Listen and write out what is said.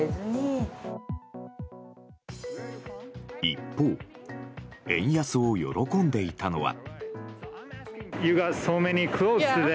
一方、円安を喜んでいたのは。